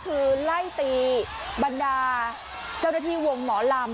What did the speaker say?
คือไล่ตีบรรดาเจ้าหน้าที่วงหมอลำ